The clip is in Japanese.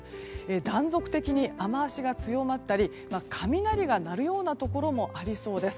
断続的に雨脚が強まったり雷が鳴るようなところもありそうです。